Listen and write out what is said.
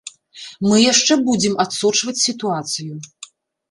Мы яшчэ будзем адсочваць сітуацыю.